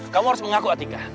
kamu harus mengaku satika